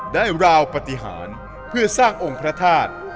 ราวปฏิหารเพื่อสร้างองค์พระธาตุ